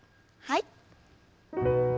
はい。